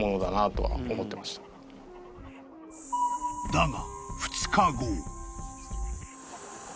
［だが］